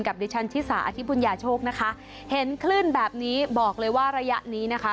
ดิฉันชิสาอธิบุญญาโชคนะคะเห็นคลื่นแบบนี้บอกเลยว่าระยะนี้นะคะ